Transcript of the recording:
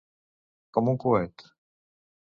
Com un coet.